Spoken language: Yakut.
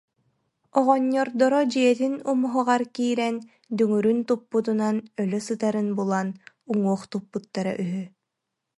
Оҕонньордоро дьиэтин умуһаҕар киирэн, дүҥүрүн туппутунан өлө сытарын булан, уҥуох туппуттара үһү